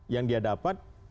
yang dia dapat